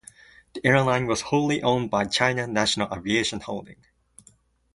The airline was wholly owned by China National Aviation Holding.